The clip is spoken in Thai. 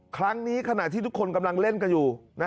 ครั้งนี้ขณะที่ทุกคนกำลังเล่นกันอยู่